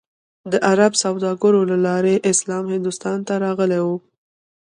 د عرب سوداګرو له لارې اسلام هندوستان ته راغلی و.